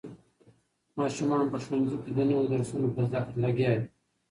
ماشومان په ښوونځي کې د نوو درسونو په زده کړه لګیا دي.